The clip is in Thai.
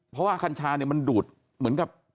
เพราะว่ากัญชาเนี่ยมันดูดเหมือนกับ